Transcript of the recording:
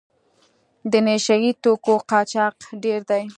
د نشه یي توکو قاچاق ډېر دی.